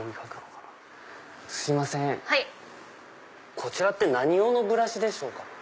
こちらって何用のブラシでしょうか？